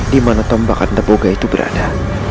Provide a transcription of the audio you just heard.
di mana tombak antaboga itu berada